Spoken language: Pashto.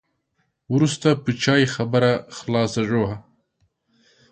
وروسته په چای خبره خلاصه شوه.